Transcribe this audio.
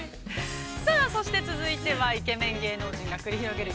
◆さあ、そして続いてはイケメン芸能人が繰り広げる